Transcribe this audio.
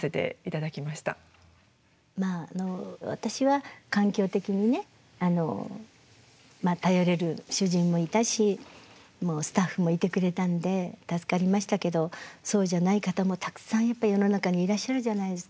まああの私は環境的にね頼れる主人もいたしもうスタッフもいてくれたので助かりましたけどそうじゃない方もたくさんやっぱ世の中にいらっしゃるじゃないですか。